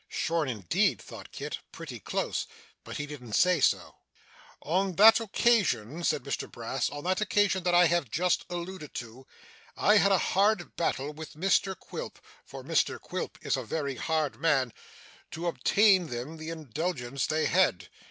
'Shorn indeed!' thought Kit. 'Pretty close!' But he didn't say so. 'On that occasion, Kit,' said Mr Brass, 'on that occasion that I have just alluded to, I had a hard battle with Mr Quilp (for Mr Quilp is a very hard man) to obtain them the indulgence they had.